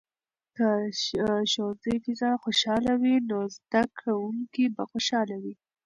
که د ښوونځي فضا خوشحاله وي، نو زده کوونکي به خوشاله وي.